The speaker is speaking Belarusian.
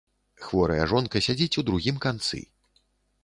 Хворая жонка сядзіць у другім канцы.